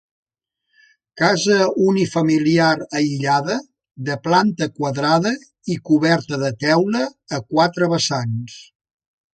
Casa unifamiliar aïllada de planta quadrada i coberta de teula a quatre vessants.